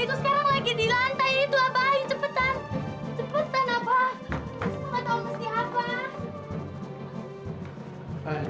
itu sekarang lagi di lantai itu abah